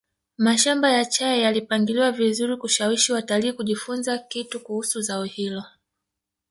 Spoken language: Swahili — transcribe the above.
mashamba ya chai yalipangiliwa vizuri kushawishi watalii kujifunza kitu kuhusu zao hilo